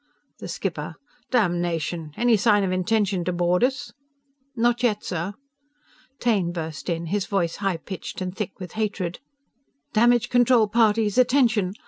The skipper: "Damnation! Any sign of intention to board us?" "Not yet, sir " Taine burst in, his voice high pitched and thick with hatred: "_Damage control parties attention!